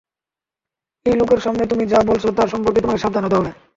এই লোকের সামনে তুমি যা বলছো তা সম্পর্কে তোমাকে সাবধান হতে হবে।